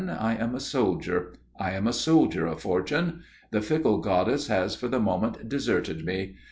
I am a soldier. I am a soldier of Fortune. The fickle goddess has for the moment deserted me.